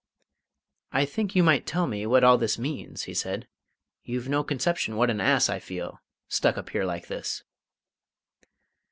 "I think you might tell me what all this means," he said. "You've no conception what an ass I feel, stuck up here like this!"